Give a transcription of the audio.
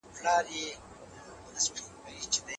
ده د کیبورډ په بټنو کار کاوه.